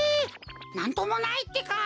なんともないってか！